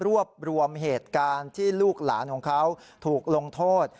รวบรวมเหตุการณ์ที่ลูกหลานของเขาถูกลงโทษ